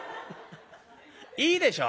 いいでしょ？